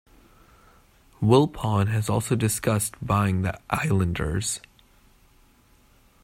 Wilpon has also discussed buying the Islanders.